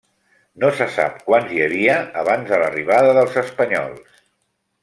No se sap quants hi havia abans de l'arribada dels espanyols.